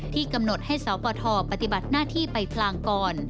กำหนดให้สปทปฏิบัติหน้าที่ไปพลางก่อน